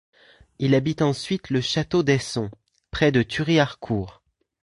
Il habite ensuite le château d'Esson, près de Thury-Harcourt.